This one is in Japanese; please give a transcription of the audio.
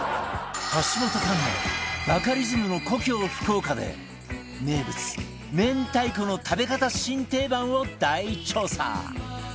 橋本環奈バカリズムの故郷福岡で名物明太子の食べ方新定番を大調査！